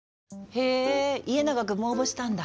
へえ家長くんも応募したんだ。